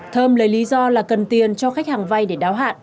thơm lấy lý do là cần tiền cho khách hàng vay để đáo hạn